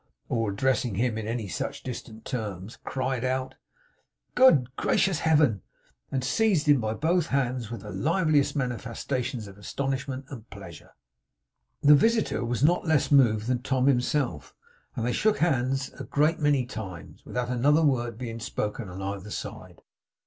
or addressing him in any such distant terms; cried out, 'Good gracious Heaven!' and seized him by both hands, with the liveliest manifestations of astonishment and pleasure. The visitor was not less moved than Tom himself, and they shook hands a great many times, without another word being spoken on either side.